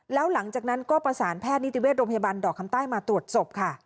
แล้วหลังจากนั้นก็ประสานแพทย์นิติเวชโรงพยาบาลดอกคำใต้มาตรวจศพค่ะ